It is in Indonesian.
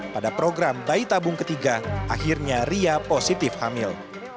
pada program bayi tabung ketiga akhirnya ria positif hamil